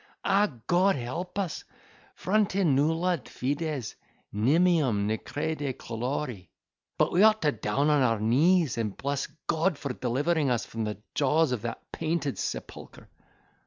Ah! God help us! Fronti nulla fides—nimium ne crede colori—but we ought to down on our knees, and bless God for delivering us from the jaws of that painted sepulchre!"